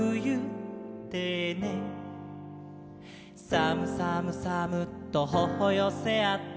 「さむさむさむっとほほよせあって」